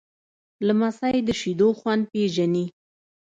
لمسی د شیدو خوند پیژني.